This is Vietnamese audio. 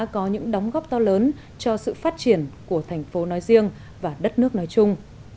có những đóng góp to lớn cho sự phát triển của thành phố nói riêng và đất nước nói chung